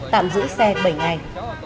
tạm giữ xe bảy ngày